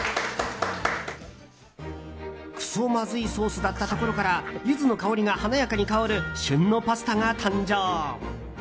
くそまずいソースだったころからユズの香りが華やかに香る旬のパスタが誕生。